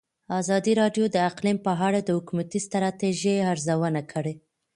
ازادي راډیو د اقلیم په اړه د حکومتي ستراتیژۍ ارزونه کړې.